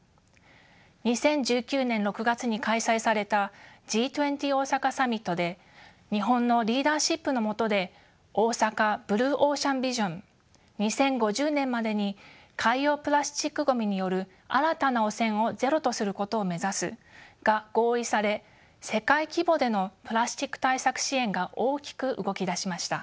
２０１９年６月に開催されたＧ２０大阪サミットで日本のリーダーシップの下で「大阪ブルー・オーシャン・ビジョン」２０５０年までに海洋プラスチックごみによる新たな汚染をゼロとすることを目指すが合意され世界規模でのプラスチック対策支援が大きく動き出しました。